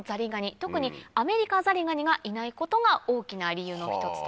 特にアメリカザリガニがいないことが大きな理由の１つと。